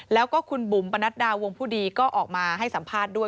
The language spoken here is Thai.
แล้วก็คุณบุ๋มปนัดดาวงผู้ดีก็ออกมาให้สัมภาษณ์ด้วย